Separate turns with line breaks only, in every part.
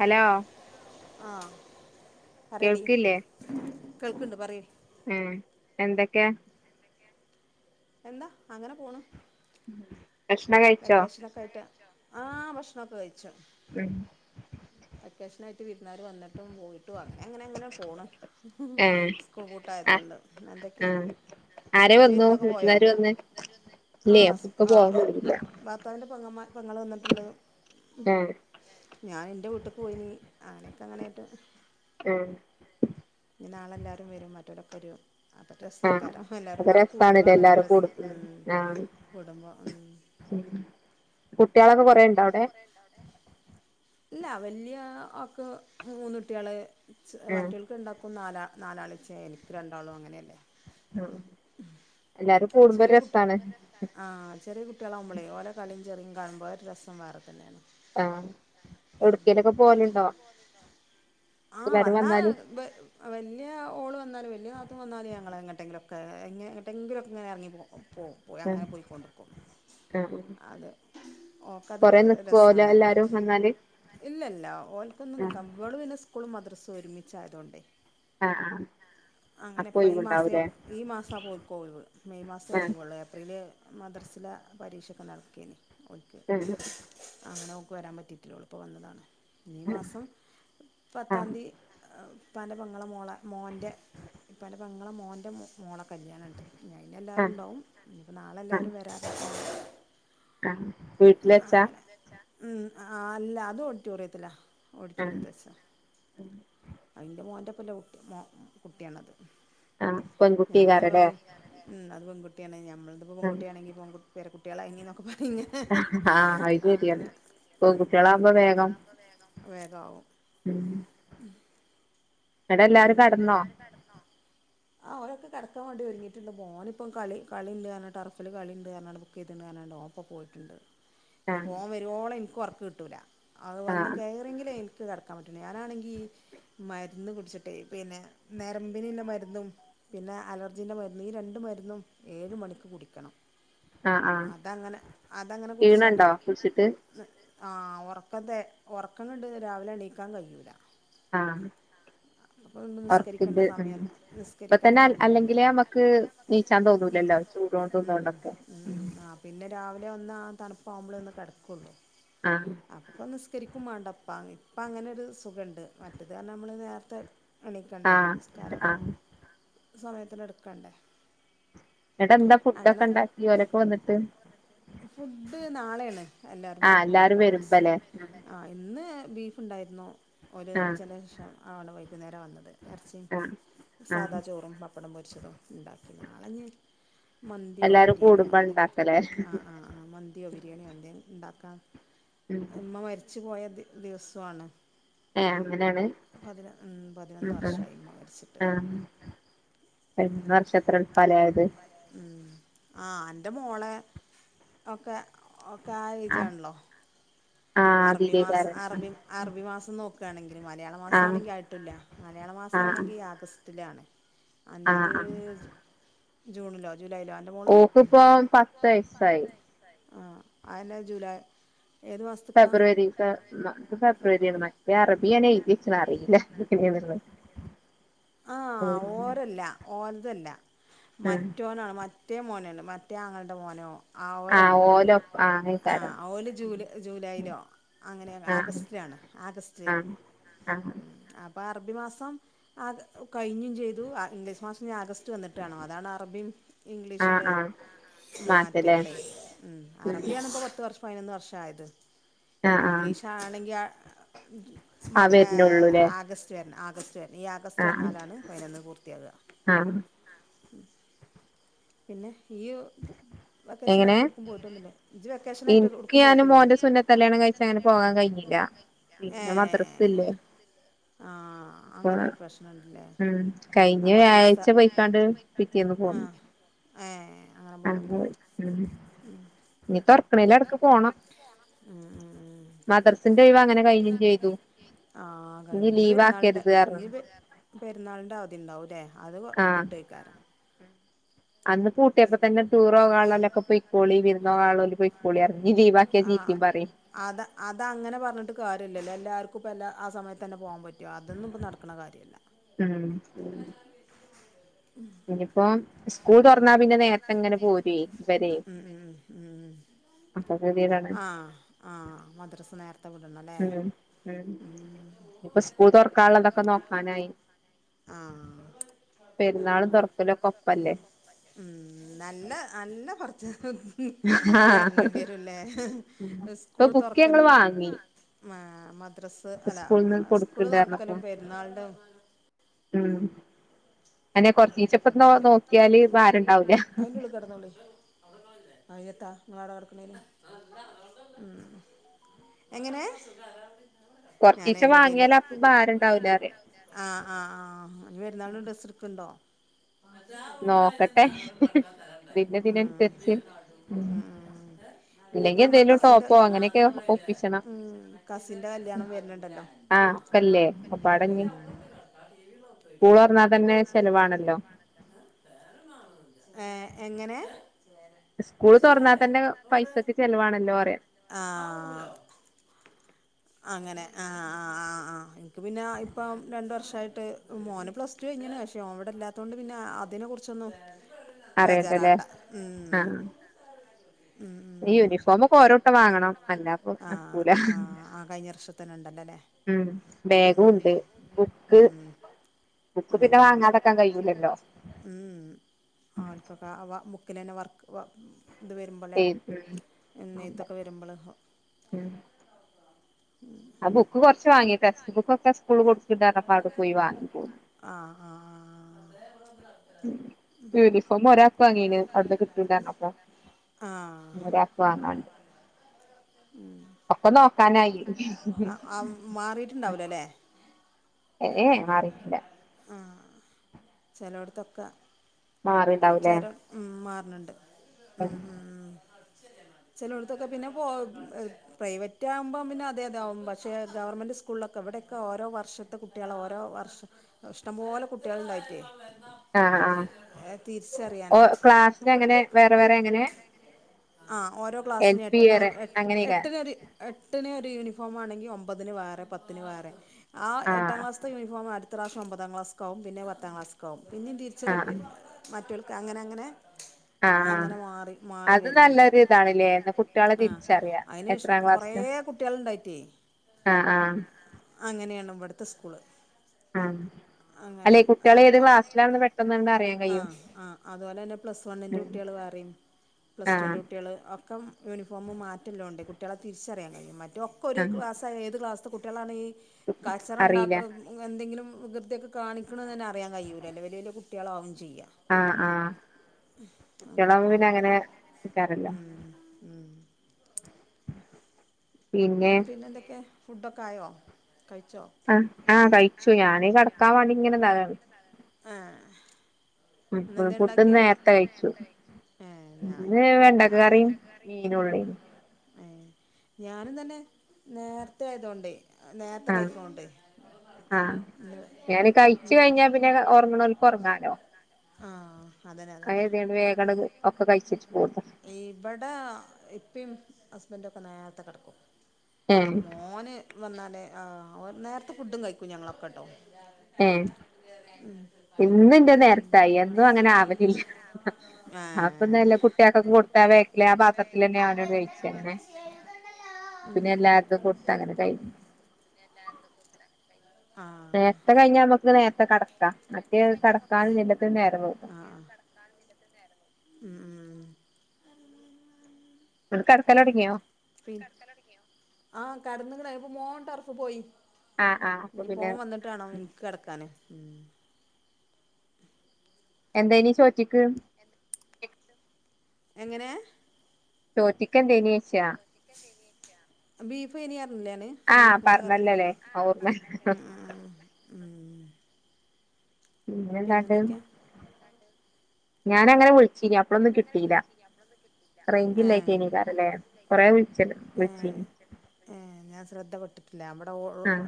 Hello
ആഹ പറെഡി കേൾക്കുന്നുണ്ട് പറയേ
എ എന്തൊക്കെയാ
എന്താ അങ്ങനെ പോണ്
മ്
വെക്കേഷന ഒക്കൊയിയിട്ട് ആ ഭക്ഷണംൊക്കെ കഴിച്ചു
ഉം
ച്ചു, വിർന്നാർ വന്നിട്ട് ും പോയിട്ടും അങ്ങനെ അങ്ങനെ അങ്ങനെ പോണ്
ഏഹ്
സ്കൂൾ
ആഹ്
കൂട്ടയതുകൊണ്ട് എന്തൊക്കെ
ആഹ് ആരെ
ഇജ്വി
വന്നു
വിരിനൊക്കെ പോയോ
വിരുന്നാര് വന്ന് ഇല്ലേ
ആ
ഒക്കെ
ആ
പോവാൻ കഴിയില്ല
ഉ ഭർത്താവിന്റെ പെങ്കമാ പെങ്ങൾ വന്നിട്ടുണ്ട്
ആഹ്
ഞാൻ എൻന്റെ വീട്ടേക്ക് പോയി നീ ആനൊക്കെ അങ്ങനൊയിട്ട്
ഉം
നാളെ എളെല്ലാരും വരും മറ്റൊരക്കെരു അപ്പ
ആഹ്
രസക്കാരോ എല്ലാരും
അത്
പാടെ
രസാണ്ല്ലേ
കൂടുമ്പോളാണല്ലോ
എല്ലാരും
രസം
കൂടും
ഉം
ആഹ്
കൂടുമ്പോ ഉ
ഉം [unintelligible] കുട്ടികളൊക്കെ കൊറേുണ്ട അവിടെ
ഇല്ല വലിയ വക്ക് മൂന്ന കുട്ടികള്
ആഹ്
മറ്റുകൾക്ക് ഉണ്ടാക്കുന്ന നാല നാലാ ആളച്ച എനിക്ക് രണ്ടാളും അങ്ങനെയല്ലേ
ആഹ എല്ലാരും കൂടുമ്പോ ഒരു
ചെറിയ കുട്ടി
രസാണ്
ആ് ചെറിയ കുട്ടികളാവുമ്പളെ ഓല കല ചെറിയും കാണുമ്പോ ഒരു രസം വേറെ തന്നെയാണ്
ആ എടുക്കയിലൊക്കെ പോലുണ്ടോ
ആ വന്നാ വല്യ ഓള് വന്നാല് വല്യ നാത്തൂൻ വന്നല് ഞങ്ങങ്ങട്ടെങ്കിലും ക്കെ എങ്ങട്ടെങ്കിലുംക്കെ ഇങ്ങന ഇറങ്ങിപ്പോകും പോ പോയി
ആഹ്
അങ്ങനെ പോയിക്കൊണ്ടക്കും
ആഹ്
അത്
കൊറേ
ഓക്കത്തൊരു
നിക്കുവോ ഓല്
രസണ്
എല്ലാരും വന്നാല്
ഇല്ലല്ല ഓൽക്കുന്നു
ആഹ്
നിൽക്കാൻ അവള് പിന്നെ ക്കുളും മദ്രസുംഒരുമിച്ച് ആയതോണ്ട്
ആഹ് ആഹ്
അങ്ങനെ
അപ്പൊ
ഇപ്പ ഈ മാസെ
ഒഴിവുണ്ടാവൂലേ
ഈ മാസാ ഓൽക്ക് ഒഴിവുള്ളൂ മെയ് മാസേ
ആഹ്
ഒഴിവുള്ള ഏപ്രില് മദ്രസിലെ പരീക്ഷ [unintelligible] ഒൽക്ക്
ആഹ്
അങ്ങനെ വരാൻ പറ്റിട്ടില ഓൾ ഇപ്പൊ വന്നതാണ് മെയ് മാസം
ആഹ്
താന്തി ഇപ്പാൻ്റെ പെങ്ങള മോള മോൻ്റെ ഇപ്പന്റെ പെങ്ങളമോൻ്റെ മോള കല്യാണണ്ട് ഞ ഞയിന് എല്ലാവരും
ആഹ്
ഉണ്ടാവും നാളെല്ലാവരും വരാറ [unintelligible]
ആ
അങ്ങനെ വീട്ലെച്ഛാ ഉം ആ അല്ല അത് ഓഡിറ്റോറിയത്തിലാ
ആഹ്
ഓഡിറ്റോറിയത്തിൽ വച്ചാ അന്റെ മോന്റെ [inaudible] അപ്പല്ല മോ കുട്ടിയാണത്
ആഹ്
ഞാനിങ്ങനെ പറ
പെൺകുട്ടികാരല്ലേ
മം അത് പെൺകുട്ടി ട്ടി യാണ് മ്മ്മ് നമ്മളത് ഇപ്പോ
ആഹ്
പെൺകുട്ടിയാണൽ പെരകുട്ടി ഇങ്ങളയിന് പറിഞ്ഞ് ഹ് ഹ്
ആ അത് ശരിയാണ് പൺകുട്ടികളാകുമ്പോ വേഗം
വേഗാവും
അടെ എല്ലാരും
പിന്നെ
കടന്നോ
ആ അവരൊക്കെ കിടക്കാൻ വേണ്ടി ഒരുങ്ങിട്ടുണ്ട് മോൻ ഇപ്പ കള കളിണ്ട് ടർഫില് കളുണ്ട് പറഞ്ഞ് ബുക്ക് ചെയ്തിട്ടണ്ട് പറഞ്ഞ് ഓന് ഇപ്പോ പോയിട്ണ്ട്
ആഹ്
ഇനിപ്പം ഓൻവരുവോളം ഒറക്ക് കിട്ടൂല അവെളു വന്ന്
ആഹ്
കയറങ്കിലേ- ഒറ്റക്ക് കിടക്കാൻ പറ്റുല്ല ഞാനാണെങ്കിൽ മരുന്ന് കുടിച്ചിട്- ട്ട പിന്നെ നെരമ്പിനീളമരുന്നും പിന്നെ അലർജീന്റെ മരുന്നും ഈ രണ്ട് മരുന്നും
ആഹ് ആഹ്
അതങ്ങനെ അതങ്ങനെ
ക്ഷീണണ്ടോ
കുടിച്ചാണ്ട്-
കുളിച്ചിട്ട്
ആ ഉറക്കത്തെ ഉറക്കം കണ്ട് രാവിലെ എണീക്കാൻ കഴിയൂല
ആഹ
അപ്പോൾ
വർക്കി
നിസ്കരിക്കേണ്ട
ന്റെ
സമയമല്ല
ഇപ്പ
നിസ്കരിക്കാത്ത
തന്നെ
സമയമല്ലേ
അല്ലെങ്കിലേ നമ്മക്ക് നീച്ചാൻ തോന്നൂലല്ലോ ചൂട് കൊണ്ടൊക്കെ ഉ-
അ ഒന്ന തണു- പോമ്പോള [inaudible] ഒന്ന് കിടക്കുകെ ഒ ള്ളൂ
ആഹ്
അപ്പൊ- സകരിക്കും വേണ്ടപ്പ ഇപ്പം അങ്ങനെൊരു സുഖമണ്ട് മറ്റത് കാരണം നമ്മൾ നേരത്തെ- ത [unintelligible] എണിക്കണ്ടേ
ആഹ് ആഹ്
നിസ്കാരത്തിനൊക്കെ- സമയത്തിന് എടുക്കണ്ടേ
എന്നിട്ട് എന്താ ഫുഡൊക്കെ
അങ്ങനെ
ഉണ്ടാക്കി ഓലൊക്കെ വന്നിട്ട്
ഫുഡ് നാളെയാണ് എല്ലാവരും
ആഹ്
പറഞ്ഞു
എല്ലാരും
ഉണ്ടാക്കാന്നുവച്ചു
വരുമ്പല്ലേ
ആ ഇന്ന്- ബീഫ് ഉണ്ടായിരുന്നു ഒരു
ആഹ്
ഉച്ചക്ക് ശേഷം ആളു വരും
ആഹ് ആഹ്
സാധാ ചോറും, പപ്പടം പൊരിച്ചതും ഉണ്ടാക്കി നാള ഇനി മന്തിയോ
എല്ലാരും
ബിരിയാണിയോ
കൂടുമ്പോ
എന്തെങ്കിലും
ഉണ്ടാക്കലേ
ആ ആ ആ മന്തിയോ ബിരിയാണിയോ എന്തെങ്കിലും ഉണ്ടാക്കാം-
ഉം
ആഹാ [inaudible] അമ്മ മരിച്ചു മരിച്ചു ച്ച് പോയ ദിവസമാണ് [unintelligible]
ഏ അങ്ങനാണ്?
പതിന ഉം പതിനൊന്ന്
ആഹ
വർഷമായി ഉമ്മ മരിച്ചിട്ട്
ആ ആഹ നക്ഷത്രം
ഉം ആ എന്റെ മോളെ- ഓ ക്കെ ആ
ആഹ്
ഏജ്ണല്ലോ
ആഹ്
[inaudible] അറബി മാസം
അതിലേക്കാരം
അറബി അറബി മാസം നോ- നോക്കുകയാണങ്കിൽ മലയാള
ആഹ്
മാസംമാണെങ്കിൽ ആയിട്ടില്ല മലയാള
ആഹ് ആഹ്
മാസംമാണെങ്കിൽ ആഗസ്റ്റിലാണ് മറ്റേത് ജൂൺിലോ
ഓക്ക് ഇപ്പോ പത്ത് വയസായി
ആ അതു ജൂലൈ ഏത് മാസ
ഫെബ്രുവരിഫെബ്രുവരിയണ് മറ്റേ അറബിനെയാണ് ഏഴുതിച്ചത് അറിയില്ല എങ്ങനയ എന്ന്
ആ ഓരല്ല ഓരതല്ല
ആഹ്
മറ്റോനാണ് മറ്റേ മോനാണ് മറ്റേ ആങ്ങളുടെ മോനോ ആ
ആഹ്
ഓരാണ്
ഓലോ ആഹ്
ആ
അയ്ക്കാരം
ഓര് ജൂല ജൂലൈയിലോ അങ്ങനെ
ആഹ്
ആഗസ്റ്റിലാണ് ആഗസ്റ്റ്
ആഹ് ആഹ്
അറബി മാസം അത് കഴിഞ്ഞും ചെയ്തു ഇംഗ്ലീഷ് മാസം ഞാൻ ആഗസ്റ്റ് വന്നിട്ട് കാണോ അതാണ് അറബിയ
ആഹ്
ഇംഗ്ലീഷിൻ്റെ
ആഹ് മാസല്ലേ
മാറ്റങ്ങള
ഉം
അറബിയാണ് ഇപ്പം പതിനൊന്ന് വർഷമായത്
ആഹ് ആഹ്
ഇംഗ്ലീഷ് ആണെങ്കി
ആഹ് വരുന്നുള്ളൂല്ലേ
ആഗസ്റ്റ് വര ആ അ [unintelligible] ഓഗസ്റ്റ്
ആഹ്
വന്നാലാണ് പൈനന്ന് പൂർത്തിയാകുക
ആഹ്
ഉം [unintelligible] പിന്നെ
എങ്ങനെ
വെക്കേഷനായിട്ട് എവിടുക്കും പോയിട്ടൊന്നുമില്ല ഇജ്ജ് വെക്കേഷനായിട്ട്
എനിക്ക്
എവിടുക്കും
ഞാനും
പോയിട്ടില്ലേ
മോറെ സുന്നത്തല്യാണം കഴിച്ച അങ്ങനെ പോകാൻ കഴിഞ്ഞില്ല
ഏ
പിന്നെ മദ്രസ ഇല്ലേ
ആഹ്
അപ്പൊ
അങ്ങനെ ഒരു പ്രശ്നമുണ്ടല്ലേ
ഉം
ആ
കഴിഞ്ഞഞ്
പത്ത് ദിവസത്തെ
വ്യാഴ്ച പോയിക്കാണ്ട് പിറ്റേന്ന് പോന്നു
ആഹ
ആഹോർ മ്മ്
ഉ
മദ്രസിന്റെ ഒഴിവ് അങ്ങനെ കഴിഞ്ഞും ചെയ്തു
ആ കി
ഇനി
ഇഞ്ഞ്
ലീവ്
പെരുന്നാളിന്റെ
ആക്കരുത്
ഇഞ്
പറഞ്ഞ്
പെരുന്നാളിന്റെ അവധി ഉണ്ടാവുംല്ലേ അത്
ആഹ്
കിട്ട വർകാരം [unintelligible]
അന്ന് പൂട്ടിയപ്പോ തന്നെ ടൂർ പോകാനുള്ളോലൊക്കെ പൊയ്ക്കോളി വിരുന്ന് പോകാനുള്ളോല് പൊയ്ക്കോളി പറഞ്ഞ് ഇനി ലീവാക്കിയാ
ആ
ചീത്തയും പറയും
അത അതങ്ങനെ പറഞ്ഞിട്ട് കാര്യല്ലല്ലോ എല്ലാർക്കും എല്ല ആ സയത്ത് തന്നെ പോവാൻ പറ്റും ആയോ അതൊന്നും ഇപ്പ നടക്കണ കാര്യല്ല
ഉം ഇനിയിപ്പോ സ്കൂള്
ഉ ഉ ഉ
അപ്പൊ ഗതികേടാണ്
ആ ആ മദ്രസ നെ
ഉം ഉ ഇപ്പൊ സ്കൂൾ തുറക്കാനുള്ളതൊക്കെ നോക്കാനായി
ആഹ്
പെരുന്നാളും തുറക്കലക്കെ ഒപ്പല്ലേ
ഉം നല്ല നല്ല കുറച്ച് ഇതിനെ
ആഹ്
ഇറങ്ങേണ്ടി വരുംല്ലേ
ഇപ്പൊ
സ്കൂൾ
ബുക്ക് ഞങ്ങള്
തുറക്കലും
വാങ്ങി
മ മ ഡ്രസ്സ് അല്ല
സ്കൂളിന്ന്
സ്കൂള്
കൊടുക്കണ്ടായിരന്നപ്പോ
തുറക്കലും പെരുന്നാളും
ഉം അന്നെ കൊറച്ച്
അയിന്റെ ഉള്ളിൽ കെടന്നൊളി ആയേനെന്താ [unintelligible] എങ്ങനെ ഞാന്
കൊറച്ചീച്ച
അയിന്റെ ഇടയില്
വാങ്ങിയാല് അപ്പൊ ഭാരണ്ടാവൂല അറിയ
ആഹ് ആ ആ ഇനി പെരുന്നാളിന് ഡ്രസ് എടുക്കണ്ടോ
നോക്കട്ടെ
കടക്കാൻ സ്ഥലണ്ടായി ആഹ്
ഇന്നതിനനുസരിച്ച് അല്ലെങ്കി എന്തേലും ടോപ്പോ അങ്ങനെയൊക്കെ
അതാ
ഒപ്പിച്ചണം
പറഞ്ഞില്ലേ കസിന്റെ കല്യാണം വരുന്നുണ്ടല്ലോ
ആ കല്ലേപ്പാടഞ്ഞഞ്
അല്ലെങ്കിൽ അവിടെ പോയി കിടക്കാം ടി
സ്കൂൾ തുറന്നാൽ തന്നെ ചെലവാണ്
ഏ എങ്ങനെ
സ്കൂൾ തുറന്നാൽ
ചേരെ
തന്നെ
എവിടെ
പൈസക്ക് ചെലവാണല്ലോ അറിയാം
ആ ആഹ് റൂമിലോ അങ്ങനെ ആ ആ ആ ആ എനിക്ക് പിന്നെ ഇപ്പം രണ്ട വർഷായിട്ട് മോന പ്ലസ് ടു കഴഞ്ഞാണ് ഓവിടെ ഇല്ലാത്ത കൊണ്ട് പിന്നെ അതിനെ കുറിച്ചൊന്നും
അറിയണ്ടല്ലേ
വേജറാണ്ട ഉ
ആഹ് യൂണിഫോം ഒരോക്ക് വാങ്ങണം അല്ലാപ്പൊ
ആഹ് ആഹ് ആഹ് കഴിഞ്ഞ വർഷത്തന്നെ ഉണ്ടല്ലോല്ലേ
നടക്കൂലബേഗും
ഉം
ഉണ്ട് ബുക്ക്
ഉം
ബുക്ക്
ഉം
പിന്നെ
ആഹ്
വാങ്ങാതക്കാൻ കഴൂലല്ലോ
തന്നെ വർക്ക് ഇത്
ഏ
പരുമ്പളക
ആ ബുക്ക് കുറച്ച് വാങ്ങി ടെക്സ്റ്റ് ബുക്ക് ഒക്കെ സ്കൂള് കൊടുക്കണ്ടായിരന്നപ്പോ അവിടെ പോയി വാങ്ങി പോ
ആഹ് ആഹ്
യൂണിഫോം ഒരാൾക്ക് വാങ്ങീന് അവിടുന്ന് കിട്ടിണ്ടരന്നപ്പോ
ആഹ്
ഒരാക്ക് വാങ്ങാണ്ട് ഒക്കെ നോക്കാനായി
ആഹ് ആഹ് മാറിയിട്ടുണ്ടാവൂലല്ലേ
ഏഏ മാറിയില്ല
ചിലോടത്തക്ക [unintelligible]
മാറിണ്ടാവൂലേ
ആണ്ട് ഉം ഉം ഉ ചെിലോടത്തൊക്കെ പിന്നെപ്പോ പ്രൈവറ്റ് ആകുമ്പോം പിന്നെ അതെ അത പക്ഷെ ഗവണ്മെന്റ് സ്കൂളിലൊക്കെ ഇവിടെക്കെ ഓരോ വർഷത്തെ കുട്ടികൾ ഓരോ വർഷം ഇഷ്ടം പോലെ കുട്ടികൾണ്ടായിട്ടേ
ആഹ ആഹ
തിരിച്ചറിയാൻ
വേറെ വേറെ എങ്ങനെ
ഓരോ ക്ലാസ്സിൽ
എൽ പി വേറെ അങ്ങനെയൊക്കെ
എട്ടിനു ഒരു യൂണിഫോം ആണെങ്കി ഒമ്പതിന് വേറെ പത്തിന് വേറെ ആ എട്ടാം
ആഹ്
ക്ലാസ്സത്തെ യൂണിഫോം അ ടു അടുത്ത പ്രാവശ്യം ഒമ്പതാം ക്ലാസ് കവും പിന്നെ പത്താം ക്ലാസ് ആ വും പിന്നെയും
ആഹ്
തിരിച്ചറിപ്പ കുട്ടികൾക്ക് അങ്ങനെ അങ്ങനെ
ആഹ് ആഹ്
അങ്ങനെ മാറി മാറി
അത്
വരുന്നുണ്ട്
നല്ലൊരു ഇതാണ്ല്ലേ ന്നാ കുട്ട്യാളെ
ആ
തിരിച്ചറിയാ
അതിന് ഇഷ
എത്രാം
കൊറേ
ക്ലാസ്സിലും
കുട്ടികൾ ഉണ്ടായിറ്റേ
ആഹ് ആഹ്
അങ്ങനെയണ ഇവിടു പത്ത് സ്കൂള്
ആഹ
അങ്ങനെ
അല്ലെ കുട്ടികൾ ഏത് ക്ലാസ്സിലെന്ന് പെട്ടന്ന്ണ്ട് അറിയാം
ആ ആ അതുപോലെ തന്നെ പ്ലസ് വണ്ണിൻ്റെ
ഉം
കുട്ടികൾ വേറെയും പ്ലസ്
ആഹ്
ടുൂവിൻ്റെ കുട്ടികൾ ഒക്കെ യൂണിഫോമ് മാറ്റല്ലോ ഉണ്ട് കുട്ട കുട്ടികളെ തിരിച്ചറിയാൻ കഴിയും ഒക്ക ഒരു
ആഹ്
ക്ലാസ് ഏത് ക്ലാസിലെ കുട്ടിയാ കുട്ടികളാണ് കച്ചറ
അറിയില്ല
ഉണ്ടാക്കുന്നത് എന്തെങ്കിലും വികൃതിയൊക്കെ കാണിക്ക്‌ണ് അറി പറയാൻ കഴയിൂല്ല വല്ല കുട്ട്യാളം ചെയ്യക
ആഹ് ആഹ്
അങ്ങനെയൊക്കെ
കുട്ട്യാളാവുമ്പോ പിന്നെ
ആവുമ്പോൾ
അങ്ങനെ ക്കാരല്ലോ പിന്നെ
പിന്നെന്തൊക്കെ ഫു ഡോ ക്കായോ
ആ ആകഴിച്ചു ഞാന് കടക്കാൻ വേണ്ടി ഇങ്ങനെ നിന്നതാണ്
ഏഹ് ഇന്നെന്തേ
ഫുഡ്ന്ന്
ഉണ്ടാക്കിയേ
നേരത്തെ കഴിച്ചു
ഏഹ് ഞാൻ
ഇന്ന് വെണ്ടക്ക
ഞാൻ പിന്നെ
കറിയും മീനുംള്ളേും
ഏ ഞാനും തന്നെ നേരത്തെ ആയതോണ്ടേ
ആ ആ ഞാന് കഴിച്ച കഴിഞ്ഞാ പിന്നെ ഉറങ്ങണല്പ് ഉറങ്ങാലോ
ആ അതന്നെ അതന്നെ
അഏതാണ് വേഗണ ഒക്കെ കഴിച്ചട്ടു പോട്ടെ
ഹസ്ബൻഡ ഒക്കെ നേരത്തെ കിടക്കും
ഏഹ്
മോന് വന്നാലേ ആ ഒരു നേരത്തെ ഫുഡും കഴിക്കും ഞങ്ങളൊക്കെ കേട്ടോ
ഉം ഇന്നന്റെ നേര- എന്തോ അങ്ങനെ ആവലില്ല
ആ
അപ്പൊന്നല്ല കുട്ടികക്കൊ കൊടുത്താ വേക്കല ആ- പാത്രത്തിന്നെ അവനോട് കഴിച്ച അങ്ങനെ
ഉം
പിന്നെ എല്ലാർക്കും കൊടുത്ത അങ്ങനെ കയ്
അ [unintelligible]
നേരത്തെ കഴിഞ്ഞ നമ്മുക്ക് നേരത്തെ കെട - മറ്റേ കടക്കാൻ നിന്നിട്ട് നേരം വെളുക്കും
ആ ഉ [unintelligible]
ന കിടക്കൽ തുടങ്ങിയോ
ആ കടന്നിക്ണ് ഇപ്പ മോൻ ട റഫ് പോയി
ആഹ് ആഹ് അപ്പൊ
ഇനി
പിന്നെ
മോൻ വന്നിട്ടാണോ എനിക്ക് കിടക്കാന് ഉം
എന്ത ഇനി ചോറ്റിക്ക്?
എങ്ങനെ
ടോ ചിക്കൻ തേനേഷ്യ
ബീഫനി നല്ലാണ്
ആഹ്
ബീഫിന്റെ കറിയും
പറഞ്ഞല്ലോല്ലേ ഓർമ്മ
ഉം
പിന്നെ എന്താണ്ട്,?
പിന്നെന്തൊക്കെയാ
ഞാന അങ്ങനെ വിളി- ഇല്ല അപ്പളൊന്നും കിട്ടില്ല റേഞ്ചില്ലേക്ക
ഏഹ്
ഇനിക്കാരല്ലേ കൊറെേ വിളിച്ച ട്
ഏഹ്
വിളിചിന്-
അല്ലെ അവിടെ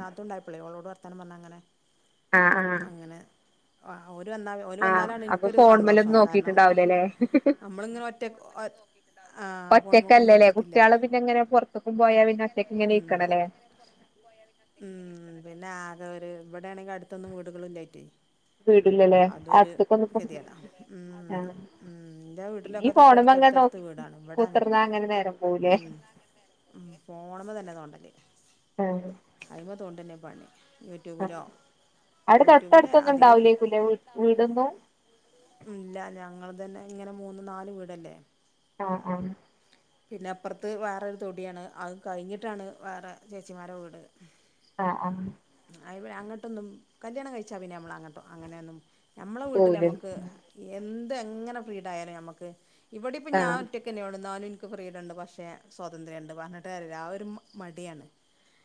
നതുണ്ടായിപ്പോളെ ഒ ളോട് പറഞ്ഞു പത്താനം പറാ ഞ്ഞ എ ങ്ങനെ [unintelligible]
ആ ആ
ആ ഓല് വന്നാ ഓല് വന്നാലാണ് എനിക്കൊരു സന്തോഷം
ഫോൺമലൊന്നും
കാരണം-
നോക്കിട്ടുണ്ടാവൂലല്ലേ
നമ്മള് ങ്ങനെ ഒറ്റക് ആ് ഫോണുമ്മകക്ക്‌ ഒന്നും
ഒറ്റക്കല്ലല്ലേ
നോക്കിട്ടില്ല
കുട്ടികള് പിന്നെ ഇങ്ങനെ പുറത്തേക്കും പോയാ പിന്നെ ഒറ്റക്ക് ഇങ്ങനെ
ഒറ്റക്കല്ലല്ലേ?
ഇരിക്കണല്ലേ
ആ അതെ ഒരു ഇവിടെയാണെങ്കിൽ അടുത്തൊന്നും വീടുകളിലയിറ്റ്-
വീടില്ലല്ലേഅടുത്ത് ക്കൊന്നും പ്പൊ
ഗതികേടാ ഉം
ആഹ
ഉം എന്റെറെ വീട്ടിലൊക്കെ തൊട്ടടുത്ത് എന്റെ എന്റെ വീട്ടിലൊക്കെ തൊട്ടടുത്തഅടുത്ത് അടുത്ത്
നോക്കി
വീടാണ് ഇവിടങ്ങനെ
കുത്തിർന്നാ അങ്ങനെ നേരം പോവൂലേ
ഫോണുമാങ്ങനെ തോണ്ടൽ
ആഹ്
അയ്മ്മേ തൊണ്ടന്നെ പോണമ തന്നെ തോണ്ടല്ലേ അയി്മ തോണ്ടന്നെ ഭണി [unintelligible]
ആഹ്
യൂട്യൂബിലോ
അവിടെ
യൂട്യൂബിൽ
തൊട്ടടുത്തൊന്നും
അധികം
ഉണ്ടാവൂലേക്കൂല്ലേ വീ വീടൊന്നും
ഇല്ല ഞങ്ങൾ- തന്നെ ഇങ്ങനെ മൂന്ന് നാല് വീടല്ലേ
ആഹ് ആഹ്
പിന്നെ അപ്പുറത്ത് വേറൊരു തൊടിയാണ്, അതും കഴിഞ്ഞിട്ടാണ് വേറെ ചേച്ചിമാരെ വീട്-
ആഹ് ആഹ്
അങ്ങട്ടൊന്നും കല്യാണം കഴിച്ചാ പിന്നെ നമ്മള അങ്ങോട്ടും അങ്ങനെന്നും- നമ്മളെ വീട്ടിൽ
പോവൂലേ
നമുക്ക് എന്ത്- ഇതെങ്ങനെ ഫ്രീഡായാലും ഞമ്മക്ക് ഇവടിപ്പം
ആഹ്
ഞാനൊറ്റക്കന്നെ ഉള്ളു ന്നാലുന്ക് ക്ക് ഫ്രീഡണ്ട് പക്ഷെ സ്വതന്ത്ര്യണ്ട് പറഞ്ഞിട്ട് കാര്യല്ല ആ ഒരുമ് മടിയാണ്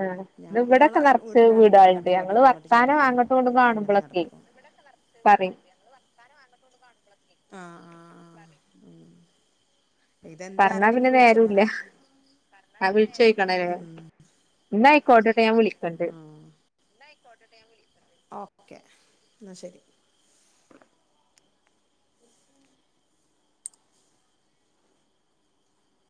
ആ ഇന്നിവിടൊക്കെ
നമ്മളെ
നിറച്ച
വീട്ടിലാണെങ്കിൽ
വീടെളുണ്ട്
അങ്ങോട്ട്
ഞങ്ങള്
ചാടിയിട്ടും ഇങ്ങോട്ട്
വർത്താനോ
ചാടിയിട്ടും
അങ്ങട്ടോങ്ങട്ടോ
അങ്ങനെ
കാണുമ്പോളൊക്കെ
നടക്കും
പറയും
ആആആ ഉം ഇതെന്തേ
പറന്ന പിന്നെ
അറിയണമെങ്കിൽ വിളിച്ചു
നേരോല്ല
അങ്ങനെ
അഹ് വിളിച്ചോയ്ക്കണല്ലോ
ഉം.
ഇന്ന ആയിക്കോട്ടെട്ടോ ഞാൻ വിളിക്കണ്ട്
ആ ഇന്നാ ആയിക്കോട്ടെ ട്ടോ ഞാൻ വിളിക്കണ്ട് ക്കേ ന്നാ ശരി